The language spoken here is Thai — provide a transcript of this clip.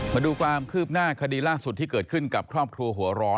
มาดูความคืบหน้าคดีล่าสุดที่เกิดขึ้นกับครอบครัวหัวร้อน